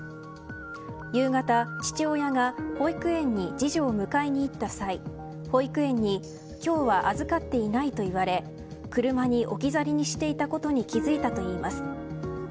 夕方、父親が保育園に次女を迎えに行った際保育園に今日は預かっていないと言われ車に置き去りにしていたことに気付いたといいます。